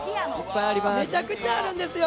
めちゃくちゃあるんですよ。